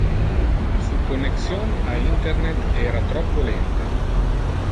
Su connexion a internet era troppo lente.